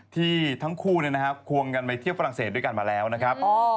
ที่ทั้งคู่ควงกันไปเที่ยวฝรั่งเศสด้วยกันมาแล้วนะครับ